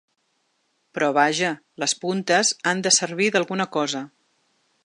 …Però vaja, les puntes han de servir d’alguna cosa.